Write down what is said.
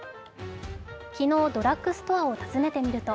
昨日、ドラッグストアを訪ねてみると